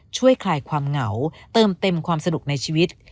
คลายความเหงาเติมเต็มความสนุกในชีวิต